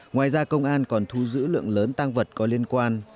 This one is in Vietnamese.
ngoài ra công an còn thu giữ lượng lớn tăng vật có liên quan